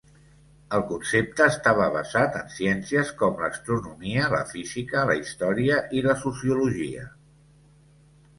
El concepte estava basat en ciències com l'astronomia, la física, la història i la sociologia.